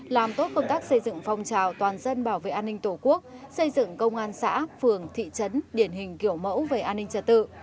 làm tốt công tác xây dựng phong trào toàn dân bảo vệ an ninh tổ quốc xây dựng công an xã phường thị trấn điển hình kiểu mẫu về an ninh trật tự